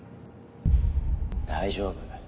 大丈夫。